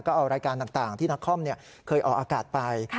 ก็เอารายการต่างที่นักคอมเคยออกอากาศไป